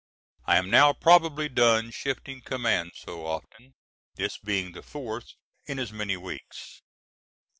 I am now probably done shifting commands so often, this being the fourth in as many weeks.